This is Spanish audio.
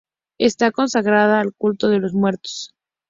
Estaba consagrada al culto de los muertos.